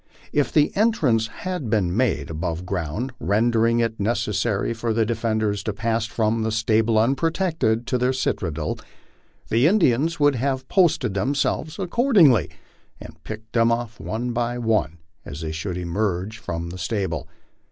If the entrance had been been made above ground, rendering it necessary for the defenders to pass from the stable unprotected to their citadel, the Indians would have posted them selves accordingly, and picked them off one by one as they should emerge from the stable.